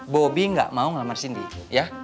bobi ga mau ngelamar cindy ya